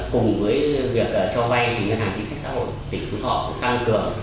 cùng với việc cho vay ngân hàng chính sách xã hội tỉnh phú thọ cũng tăng cường